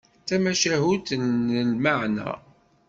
D tamacahut n lmeɛna.